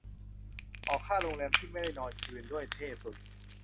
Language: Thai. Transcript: ออกค่าโรงแรมที่ไม่ได้นอนคืนด้วย เท่สุด